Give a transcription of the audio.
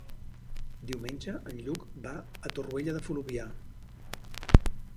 Diumenge en Lluc va a Torroella de Fluvià.